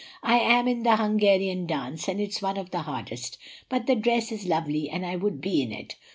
I am in the Hungarian dance, and it's one of the hardest; but the dress is lovely, and I would be in it.